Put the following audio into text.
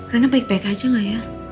karena baik baik aja gak ya